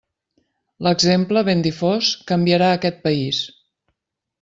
L'exemple, ben difós, canviarà aquest País.